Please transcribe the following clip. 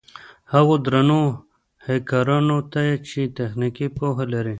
هغو درنو هېکرانو ته چې تخنيکي پوهه لري.